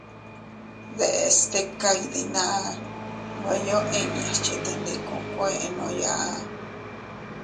Deʼes stika iydinaa nweyo inñas chetendikuukuennooya.